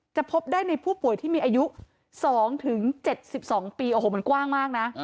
พบได้ในผู้ป่วยที่มีอายุ๒๗๒ปีโอ้โหมันกว้างมากนะ